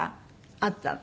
あったの？